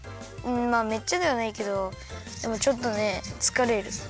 まあめっちゃではないけどでもちょっとねつかれる。